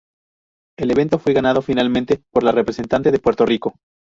El evento fue ganado finalmente por la representante de Puerto Rico.